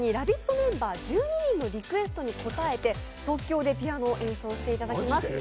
メンバー１２人のリクエストに応えて即興でピアノを演奏していただきます。